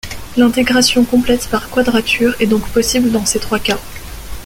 L'intégration complète par quadrature est donc possible dans ces trois cas.